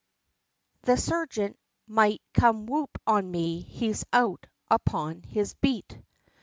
The sergeant might come whop on me! he's out upon his beat."